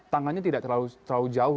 tangannya tidak terlalu jauh